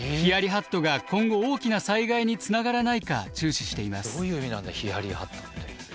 ハットが今後大きな災害につながらないか注視しています。